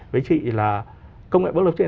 với chị là công nghệ blockchain